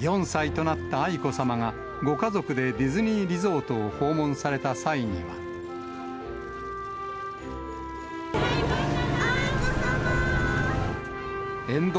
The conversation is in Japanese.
４歳となった愛子さまが、ご家族でディズニーリゾートを訪問され愛子さまー！